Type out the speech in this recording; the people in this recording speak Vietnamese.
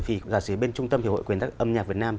vì giả sĩ bên trung tâm hiệp hội quyền âm nhạc việt nam